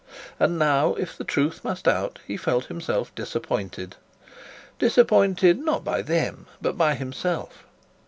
And now, if the truth must out, he felt himself disappointed disappointed not by them but by himself.